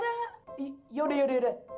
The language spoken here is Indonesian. yaudah yaudah yaudah